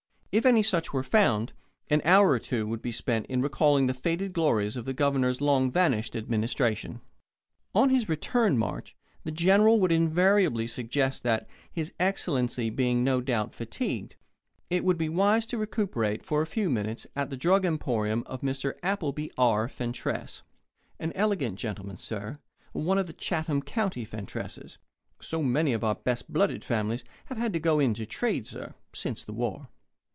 If any such were found, an hour or two would be spent in recalling the faded glories of the Governor's long vanished administration. On the return march the General would invariably suggest that, His Excellency being no doubt fatigued, it would be wise to recuperate for a few minutes at the Drug Emporium of Mr. Appleby R. Fentress (an elegant gentleman, sir one of the Chatham County Fentresses so many of our best blooded families have had to go into trade, sir, since the war).